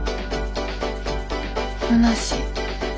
むなしい。